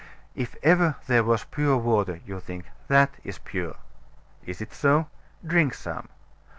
If ever there was pure water, you think, that is pure. Is it so? Drink some.